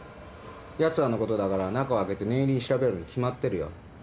やつらのことだから中を開けて念入りに調べるに決まってるよ。